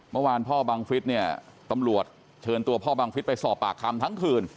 เมื่อวานพ่อบังฟิศเนี่ยตำรวจเชิญตัวพ่อบังฟิศไปสอบปากคำทั้งคืน